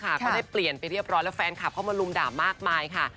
ก็ได้เปลี่ยนไปเรียบร้อยแล้วแฟนคลับเข้ามาลุมด่ามากมายค่ะ